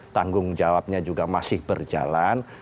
tanggung jawabnya juga masih berjalan